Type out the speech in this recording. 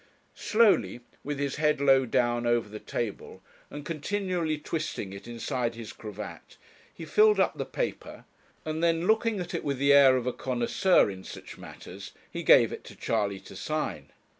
Slowly, with his head low down over the table, and continually twisting it inside his cravat, he filled up the paper, and then looking at it with the air of a connoisseur in such matters, he gave it to Charley to sign.